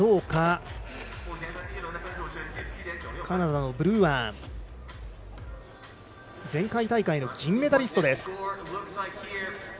カナダのブルーアンは前回大会の銀メダリストです。